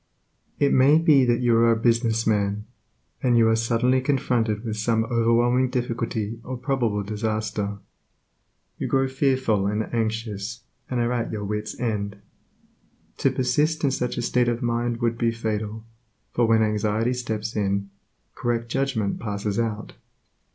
It may be that you are a business man, and you are suddenly confronted with some overwhelming difficulty or probable disaster. You grow fearful and anxious, and are at your wit's end. To persist in such a state of mind would be fatal, for when anxiety steps in, correct judgment passes out.